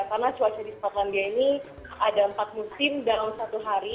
karena cuaca di skotlandia ini ada empat musim dalam satu hari